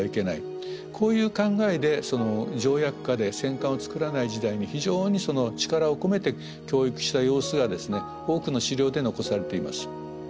こういう考えで条約下で戦艦を造らない時代に非常に力を込めて教育した様子がですね多くの史料で残されています。